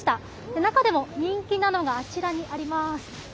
中でも、人気なのがあちらにあります。